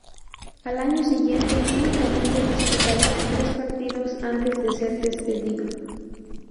Al año siguiente únicamente disputaría tres partidos antes de ser despedido.